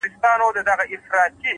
هره ناکامي د نوې پوهې دروازه پرانیزي؛